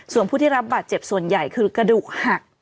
ส่วนผู้ที่รับบาดเจ็บส่วนใหญ่คือกระดูกหัก